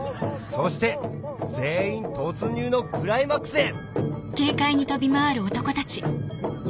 そして全員突入のクライマックスへ